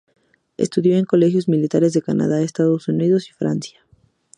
Estudió en colegios militares de Canadá, Estados Unidos y Francia.